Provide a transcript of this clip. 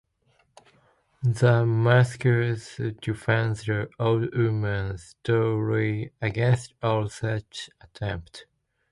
The maskers defend the Old Woman stoutly against all such attempts.